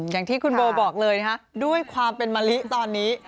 อย่างที่คุณโบบอกเลยนะคะด้วยความเป็นมะลิตอนนี้